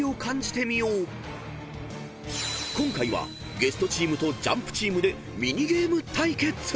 ［今回はゲストチームとＪＵＭＰチームでミニゲーム対決］